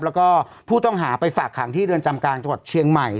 แล้วก็ผู้ต้องหาไปฝากขังที่เรือนจำกลางจังหวัดเชียงใหม่